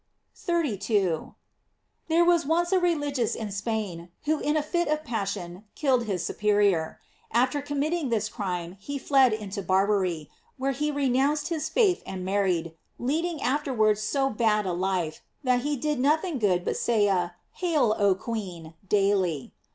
J 32. — There was once a religious in Spain, who in a fit of passion killed his superior. After committing this crime he fled into Barbary, where he renounced his faith and married, lead ing afterwards so bad a life that he did nothing good but say a "Hail, oh Queen," daily.